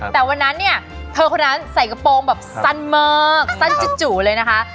แต่วันนั้นเนี่ยเธอคนนั้นใส่กระโปรงแบบสั้นมากสั้นจู่เลยนะคะ